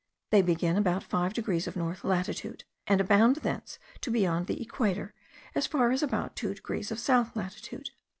They begin about five degrees of north latitude; and abound thence to beyond the equator as far as about two degrees of south latitude.